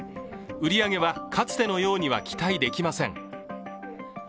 売り上げは、かつてのようには期待できません。